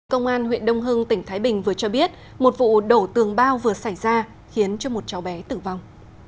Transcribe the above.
công an huyện đông hưng tỉnh thái bình vừa cho biết một vụ đổ tường bao vừa xảy ra khiến cho một cháu bé tử vong